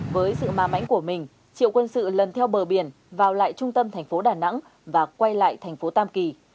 với sự ma mãnh của mình triệu quân sự lần theo bờ biển vào lại trung tâm thành phố đà nẵng và quay lại thành phố tam kỳ